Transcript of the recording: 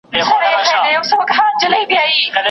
د خلکو خبرې يې په حوصله اورېدې.